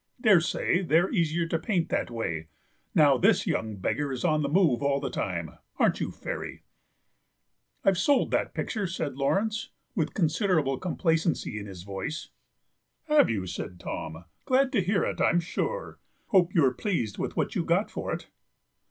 Daresay they're easier to paint that way; now, this young beggar is on the move all the time, aren't you, Fairy?" "I've sold that picture," said Laurence, with considerable complacency in his voice. "Have you?" said Tom; "glad to hear it, I'm sure. Hope you're pleased with what you've got for it."